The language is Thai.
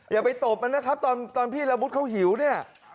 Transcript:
อย่าไปตบมันนะครับตอนพี่ละมุดเขาหิวเนี่ย